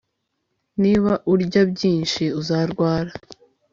Niba urya byinshi uzarwara